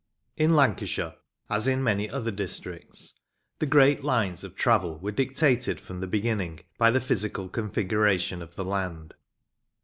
In Lancashire, as in many other districts, the great lines of travel were dictated from the beginning by the physical configuration of the land.